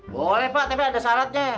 boleh pak tapi ada syaratnya